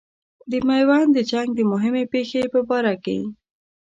د میوند د جنګ د مهمې پیښې په باره کې.